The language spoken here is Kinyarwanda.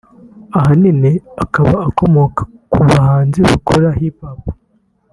ahanini akaba akomoka ku bahanzi bakora Hip Hop